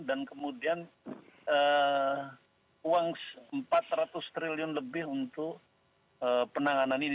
dan kemudian uang rp empat ratus triliun lebih untuk penanganan ini